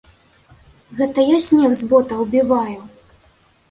Гэта я снег з ботаў абіваю.